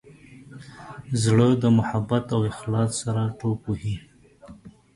زړه د محبت او اخلاص سره ټوپ وهي.